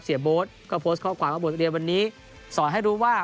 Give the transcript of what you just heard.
โบ๊ทก็โพสต์ข้อความว่าบทเรียนวันนี้สอนให้รู้ว่า